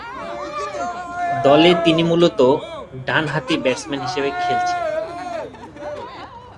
দলে তিনি মূলতঃ ডানহাতি ব্যাটসম্যান হিসেবে খেলছেন।